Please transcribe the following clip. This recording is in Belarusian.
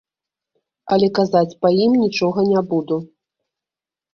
Але казаць па ім нічога не буду.